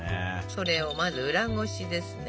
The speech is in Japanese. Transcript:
それをまず裏ごしですね。